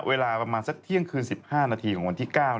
เวลาประมาณสักเที่ยงคืน๑๕นาทีของวันที่๙